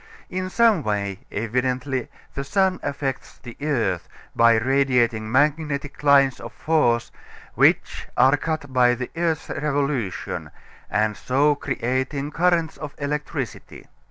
In some way, evidently, the sun affects the earth by radiating magnetic lines of force which are cut by the earth's revolution, and so creating currents of electricity.